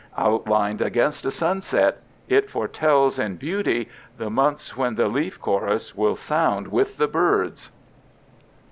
Outlined against a sunset, it foretells in beauty the months when the leaf chorus will sound with the birds'.